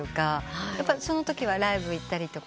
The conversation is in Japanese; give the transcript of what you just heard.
そのときはライブ行ったりとか？